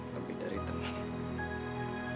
lebih dari teman